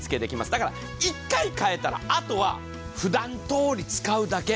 だから１回替えたら、あとはふだんどおり使うだけ。